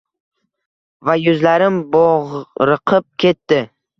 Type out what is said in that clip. Va yuzlarim bo’g’riqib ketdi.